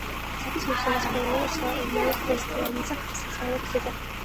Запись можно посмотреть на моих страницах в социальных сетях.